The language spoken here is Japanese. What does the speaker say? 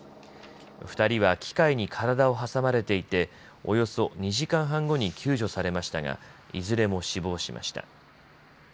２人は機械に体を挟まれていておよそ２時間半後に救助されましたが、いずれも死亡しました。